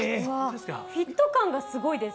フィット感がすごいです。